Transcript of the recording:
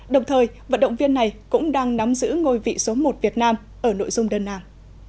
đồng thời vận động viên này cũng đang nắm giữ ngôi vị số một việt nam ở nội dung đơn nàng